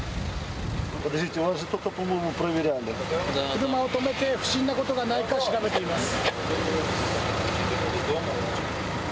車を止めて、不審なことがないか調べています。